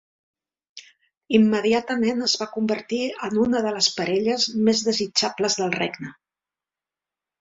Immediatament es va convertir en una de les parelles més desitjables del regne.